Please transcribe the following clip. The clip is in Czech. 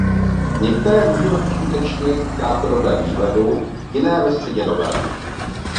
Některé můžeme uskutečnit v krátkodobém výhledu, jiné ve střednědobém.